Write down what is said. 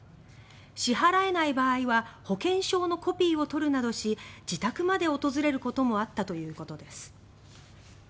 支払えない場合は保険証のコピーを取るなどし自宅まで訪れることもあったということです。